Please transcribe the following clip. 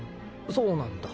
そうなんだ。